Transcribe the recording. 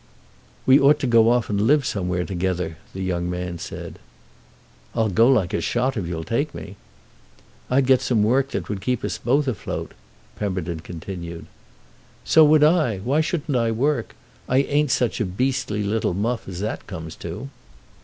"We ought to go off and live somewhere together," the young man said. "I'll go like a shot if you'll take me." "I'd get some work that would keep us both afloat," Pemberton continued. "So would I. Why shouldn't I work? I ain't such a beastly little muff as that comes to."